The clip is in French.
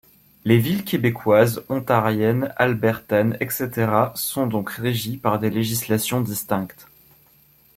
Les villes québécoises, ontariennes, albertaines, etc., sont donc régies par des législations distinctes.